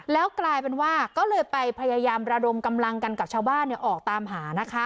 แล้วกลายเป็นว่าก็เลยไปพยายามระดมกำลังกันกับชาวบ้านออกตามหานะคะ